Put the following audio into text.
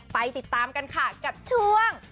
ไปติดตามกันค่ะกับช่วง